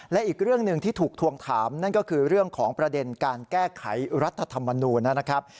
และอีกเรื่องหนึ่งที่ถูกทวงถามนั่นก็คือเรื่องของประเด็นการแก้ไขรัฐธรรมนูญนะครับ